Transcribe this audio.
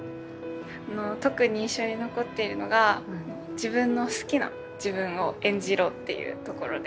特に印象に残っているのが自分の好きな自分を演じろっていうところで。